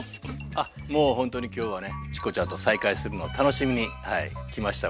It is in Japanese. あっもうほんとに今日はねチコちゃんと再会するのを楽しみにはい来ましたので。